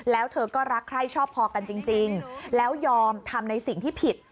แล้วเธอก็รักใคร่ชอบพอกันจริงแล้วยอมทำในสิ่งที่ผิด